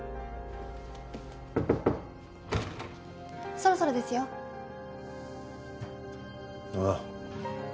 そろそろですよ。ああ。